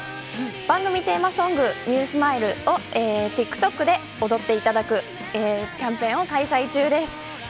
番組テーマソングＮＥＷＳｍｉｌｅをＴｉｋＴｏｋで踊っていただくキャンペーンを開催中です。